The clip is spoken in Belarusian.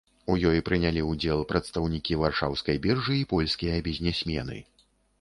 У ёй прынялі ўдзел прадстаўнікі варшаўскай біржы і польскія бізнесмены.